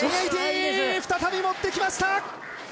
再び乗ってきました！